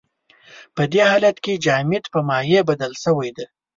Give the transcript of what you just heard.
په دې حالت کې جامد په مایع بدل شوی دی.